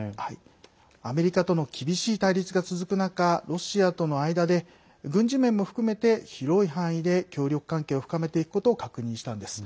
アメリカとの厳しい対立が続く中ロシアとの間で軍事面も含めて広い範囲で協力関係を深めていくことを確認したんです。